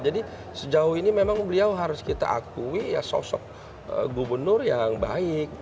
jadi sejauh ini memang beliau harus kita akui ya sosok gubernur yang baik